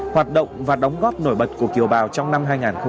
hoạt động và đóng góp nổi bật của kiều bào trong năm hai nghìn một mươi chín